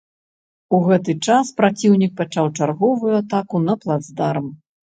У гэты час праціўнік пачаў чарговую атаку на плацдарм.